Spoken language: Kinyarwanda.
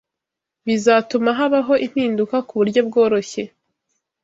bizatuma habaho impinduka ku buryo bworoshye